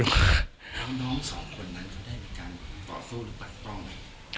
แล้วน้องสองคนนั้นเขาได้มีการต่อสู้หรือปักป้องไหม